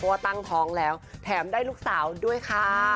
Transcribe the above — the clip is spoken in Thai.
ว่าตั้งท้องแล้วแถมได้ลูกสาวด้วยค่ะ